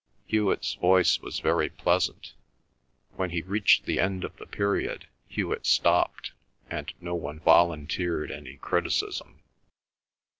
Hewet's voice was very pleasant. When he reached the end of the period Hewet stopped, and no one volunteered any criticism.